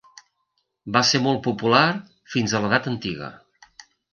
Va ser molt popular fins a l'edat antiga.